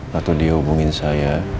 lalu dia hubungin saya